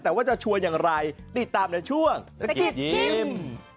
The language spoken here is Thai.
แต่ว่าจะชวนอย่างไรติดตามในช่วงสกิดยิ้ม